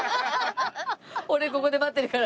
「俺ここで待ってるから」